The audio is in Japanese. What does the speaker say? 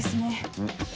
うん。